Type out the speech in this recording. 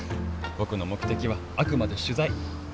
僕の目的はあくまで取材。